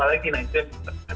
nah itu yang kita harus tahu